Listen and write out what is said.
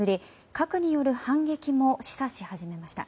核による反撃も示唆し始めました。